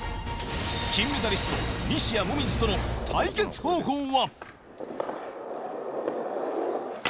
金メダリスト、西矢椛との対決方法は。